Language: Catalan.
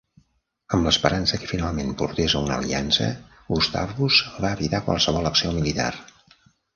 Amb l'esperança que finalment portés a una aliança, Gustavus va evitar qualsevol acció militar.